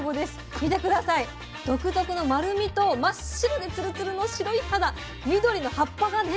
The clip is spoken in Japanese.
見て下さい独特の丸みと真っ白でツルツルの白い肌緑の葉っぱがね。